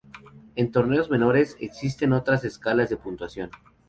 En torneos menores, existen otras escalas de puntuación.